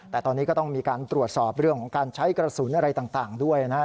แต่ตอนนี้ก็ต้องมีการตรวจสอบเรื่องของการใช้กระสุนอะไรต่างด้วยนะครับ